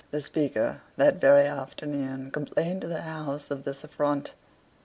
The Speaker, that very afternoon, complained to the House of this affront.